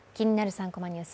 ３コマニュース」